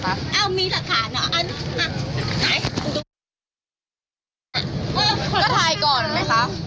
เอ้ามีลักษณะถ่ายนะ